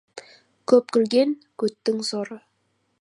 Көп күлген көттің соры.